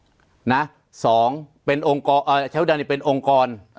๒ชายชุดดำนี้เป็นองค์กร